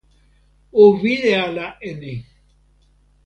o wile ala e ni!